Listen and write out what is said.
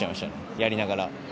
やりながら。